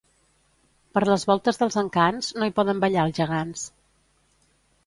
Per les voltes dels Encants, no hi poden ballar els gegants.